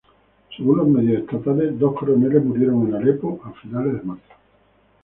Según los medios estatales, dos coroneles murieron en Alepo a finales de marzo.